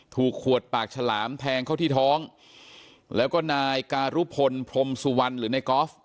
ถูกขวดปากฉลามแทงเข้าที่ท้องแล้วก็นายการุพลพรมสุวรรณหรือในกอล์ฟ